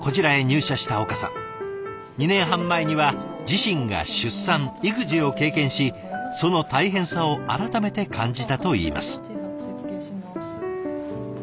２年半前には自身が出産育児を経験しその大変さを改めて感じたといいます。